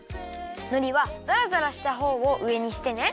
のりはザラザラしたほうをうえにしてね。